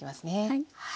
はい。